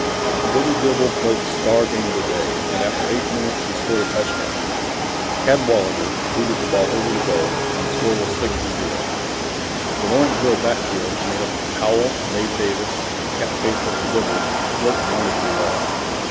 Billy Dibble played the star game of the day and after eight minutes he scored a touchdown. Cadwalader booted the ball over the goal and the score was 6 to 0. The Lawrenceville backfield, made up of Powell, Dave Davis, Cap Kafer and Dibble, worked wonderfully well.